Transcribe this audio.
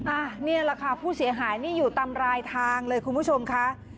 อ่ะนี่แหละค่ะผู้เสียหายนี่อยู่ตามรายทางเลยคุณผู้ชมค่ะ